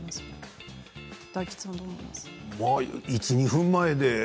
１、２分前で。